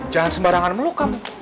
jangan sembarangan meluk kamu